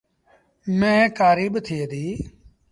ميݩهن ڪآريٚ با ٿئي ديٚ ۔